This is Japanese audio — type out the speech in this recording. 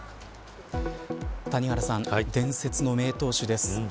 谷原さん、伝説の名投手です。